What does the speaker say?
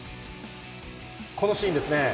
このシーンですね。